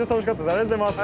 ありがとうございます！